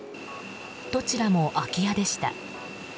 どちらも空き家でした。